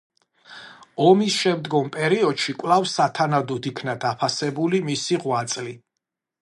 ომის შემდგომ პერიოდში კვლავ სათანადოდ იქნა დაფასებული მისი ღვაწლი.